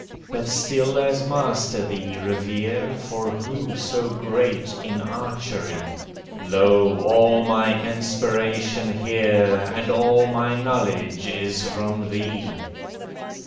But still as Master thee revere, For who so great in archery! Lo, all my inspiration here, And all my knowledge is from thee."